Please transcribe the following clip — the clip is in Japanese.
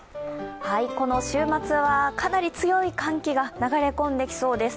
この週末はかなり強い寒気が流れ込んできそうです。